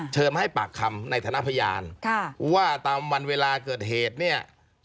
มาให้ปากคำในฐานะพยานว่าตามวันเวลาเกิดเหตุเนี่ย